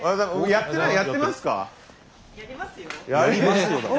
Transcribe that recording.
やってますか？